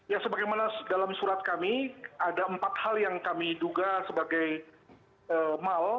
ya sebagaimana dalam surat kami ada empat hal yang kami duga sebagai mal